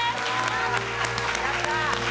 やった！